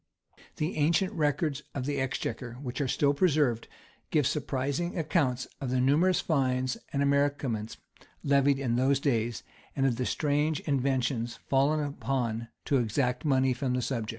The ancient records of the exchequer, which are still preserved, give surprising accounts of the numerous fines anc amerciaments levied in those days,[] and of the strange inventions fallen upon to exact money from the subject.